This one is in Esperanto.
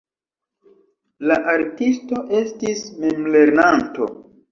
La artisto estis memlernanto.